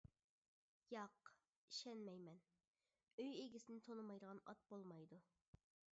-ياق، ئىشەنمەيمەن، ئۆي ئىگىسىنى تونۇمايدىغان ئات بولمايدۇ.